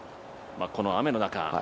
この雨の中。